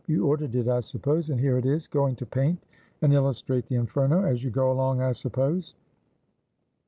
You ordered it, I suppose, and here it is. Going to paint and illustrate the Inferno, as you go along, I suppose.